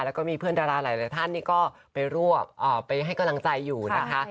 แล้วก็มีเพื่อนดาราหลายท่านนี่ก็ไปให้กำลังใจอยู่นะคะ